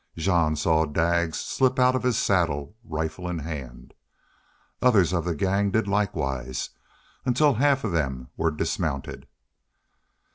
Jean saw Daggs slip out of his saddle, rifle in hand. Others of the gang did likewise, until half of them were dismounted.